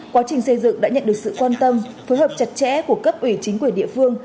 quá trình xây dựng đã nhận được sự quan tâm phối hợp chặt chẽ của cấp ủy chính quyền địa phương